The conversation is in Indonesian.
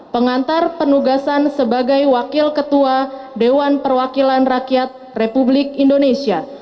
pengantar penugasan sebagai wakil ketua dewan perwakilan rakyat republik indonesia